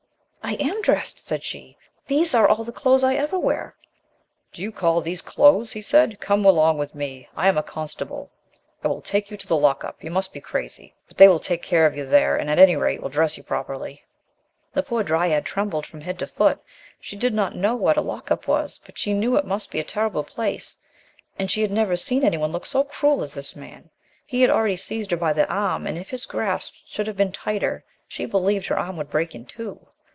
" I am dressed, " said she ;" these are all the clothes I ever wear." "Do you call these clothes?" he said. " Come along with me ! I am a constable. I will take you to the lock up. You must be crazy ! But they will take care of you there and, at any rate, will dress you properly. " The poor dryad trembled from head to foot. She did not know what a lock up was, but she knew it must be a terrible place, and she had never seen anyone look so cruel as this man. He had already seized her by the arm, and if his grasp should become tighter, she believed her arm would break in two.